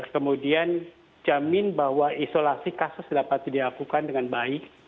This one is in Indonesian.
kemudian jamin bahwa isolasi kasus dapat dilakukan dengan baik